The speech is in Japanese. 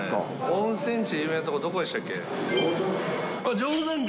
温泉地有名なとこ、どこでし定山渓。